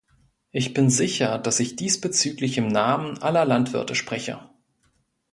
Ich bin sicher, dass ich diesbezüglich im Namen aller Landwirte spreche.